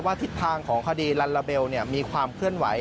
ทิศทางของคดีลัลลาเบลมีความเคลื่อนไหว